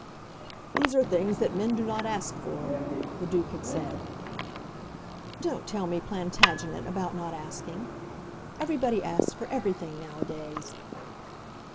"These are things that men do not ask for," the Duke had said. "Don't tell me, Plantagenet, about not asking. Everybody asks for everything nowadays."